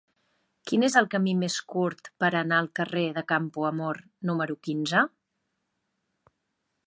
Quin és el camí més curt per anar al carrer de Campoamor número quinze?